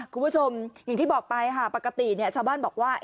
คุณผู้ชมอย่างที่บอกไปค่ะปกติชาวบ้านบอกว่า